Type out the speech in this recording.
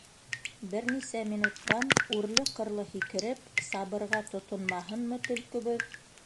Бер нисә минуттан үрле-ҡырлы һикереп сабырға тотонмаһынмы төлкөбөҙ.